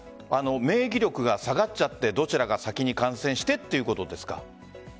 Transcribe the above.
免疫力が下がっちゃってどちらか先に感染してということですか？